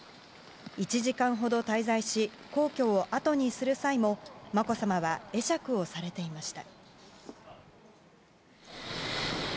１時間ほど滞在し皇居をあとにする際もまこさまは会釈をされていました。